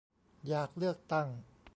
อยากเลือกตั้ง